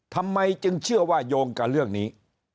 ทำไมจึงเชื่อว่าโยงกับเรื่องนี้